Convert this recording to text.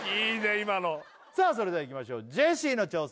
今のさあそれではいきましょうジェシーの挑戦